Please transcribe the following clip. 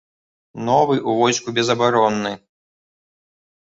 Новы ў войску безабаронны.